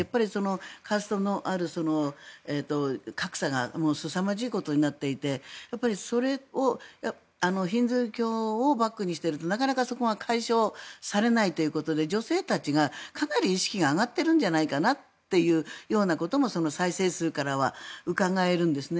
カーストの格差がすさまじいことになっていてそれをヒンドゥー教をバックにしているとなかなかそこが解消されないということで女性たちが、かなり意識が上がっているんじゃないかなというようなこともその再生数からはうかがえるんですね。